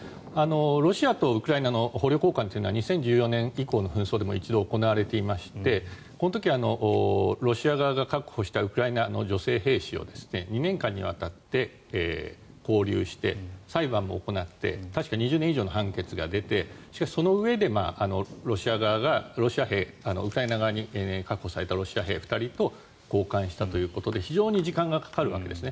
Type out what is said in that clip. ロシアとウクライナの捕虜交換というのは２０１４年以降の紛争でも１度、行われていましてこの時はロシア側が確保したウクライナの女性兵士を２年間にわたって勾留して裁判も行って確か２０年以上の判決が出てそのうえでロシア側が、ウクライナ側に確保されたロシア兵２人と交換したということで非常に時間がかかるわけです。